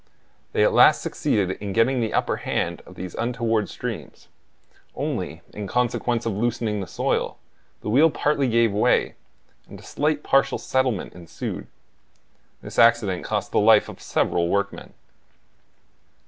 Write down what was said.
They at last succeeded in getting the upper hand of these untoward streams; only, in consequence of the loosening of the soil, the wheel partly gave way, and a slight partial settlement ensued. This accident cost the life of several workmen.